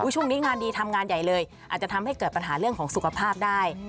ช่วงนี้งานดีทำงานใหญ่เลยอาจจะทำให้เกิดปัญหาเรื่องของสุขภาพได้